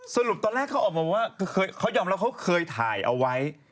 สรุปตอนแรกเขาออกมาว่าเขายอมรับเขาเคยถ่ายเอาไว้